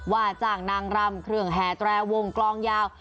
ว่าจ้างนางรำเครื่องแห่แตรวงกลองยาว